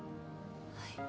はい。